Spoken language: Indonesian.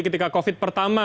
ketika covid pertama